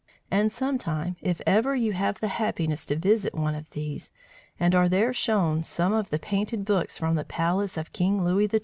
And some time, if ever you have the happiness to visit one of these, and are there shown some of the painted books from the palace of King Louis XII.